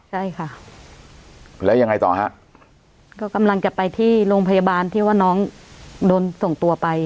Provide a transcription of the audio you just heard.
ใช่ค่ะแล้วยังไงต่อฮะก็กำลังจะไปที่โรงพยาบาลที่ว่าน้องโดนส่งตัวไป